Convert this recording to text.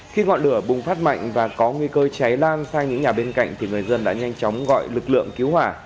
khi ngọn lửa bùng phát mạnh và có nguy cơ cháy lan sang những nhà bên cạnh thì người dân đã nhanh chóng gọi lực lượng cứu hỏa